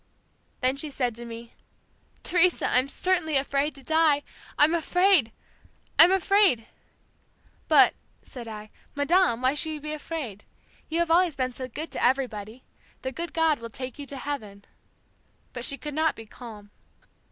"Then she said to me, 'Teresa, I'm certainly afraid to die! I'm afraid! I'm afraid!" "'But,' said I, 'Madame, why should you be afraid? You have always been so good to everybody. The good God will take you to heaven.' But she could not be calm.